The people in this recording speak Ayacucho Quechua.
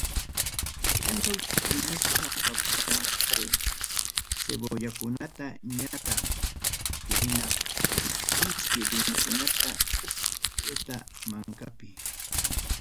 Yanuy hinaspa papata qaray, cebollakunata ñataq hukniraq miski rurukunata huk llucllu mankapi.